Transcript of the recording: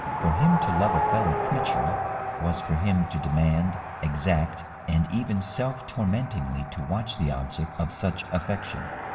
For him to love a fellow creature was for him to demand, exact, and even self torment ingly to watch the object of such affection.